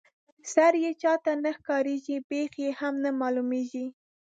سر یې چاته نه ښکاريږي بېخ یې هم نه معلومیږي.